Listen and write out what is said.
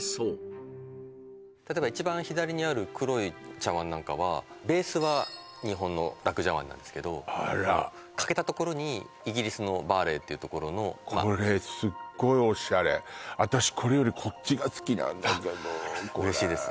そう例えば一番左にある黒い茶碗なんかはベースは日本の楽茶碗なんですけどあら欠けたところにイギリスのバーレイというところのこれすっごいオシャレ私これよりこっちが好きなんだけどこれ嬉しいです